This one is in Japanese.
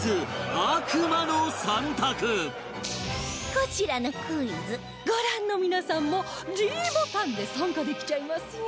こちらのクイズご覧の皆さんも ｄ ボタンで参加できちゃいますよ